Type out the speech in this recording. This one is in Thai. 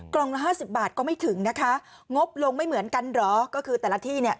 กล่องละห้าสิบบาทก็ไม่ถึงนะคะงบลงไม่เหมือนกันเหรอก็คือแต่ละที่เนี่ย